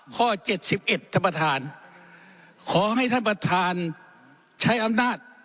ข้อเจ็ดสิบเอ็ดท่านประธานขอให้ท่านประธานใช้อำนาจ